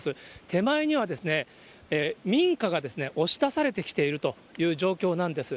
手前には、民家が押し出されてきているという状況なんです。